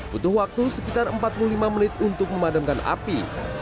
butuh waktu sekitar empat puluh lima menit untuk memadamkan api